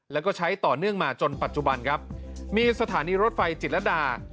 แล้วก็ใช้ต่อเนื่องมาจนปัจจุบันครับมีสถานีรถไฟจิตรดา